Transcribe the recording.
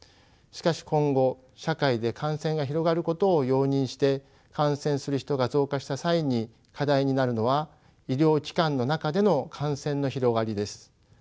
しかし今後社会で感染が広がることを容認して感染する人が増加した際に課題になるのは医療機関の中での感染の広がりです。